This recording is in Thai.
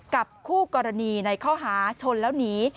คู่กรณีในข้อหาชนแล้วหนี